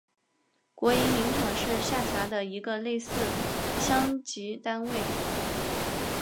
国营林场是下辖的一个类似乡级单位。